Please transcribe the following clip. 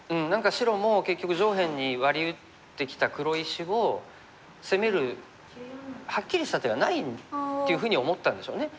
白も結局上辺にワリ打ってきた黒石を攻めるはっきりした手がないっていうふうに思ったんでしょうね。